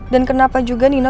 dan kenapa juga nino